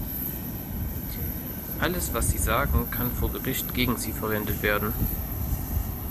Alles, was Sie sagen, kann vor Gericht gegen Sie verwendet werden.